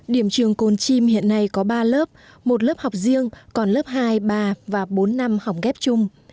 điểm trường cồn chim hiện nay có ba lớp một lớp học riêng còn lớp hai ba và bốn năm học ghép chung